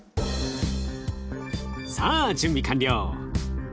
さあ準備完了。